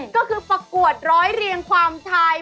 ก็คือประกวดร้อยเรียงความไทย